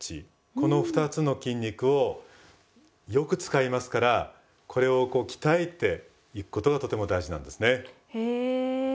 この２つの筋肉をよく使いますからこれをこう鍛えていくことがとても大事なんですね。へ。